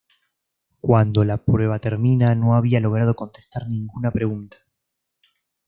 Cuando la prueba termina, no había logrado contestar ninguna pregunta.